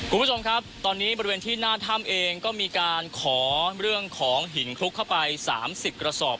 คุณผู้ชมครับตอนนี้บริเวณที่หน้าถ้ำเองก็มีการขอเรื่องของหินคลุกเข้าไป๓๐กระสอบ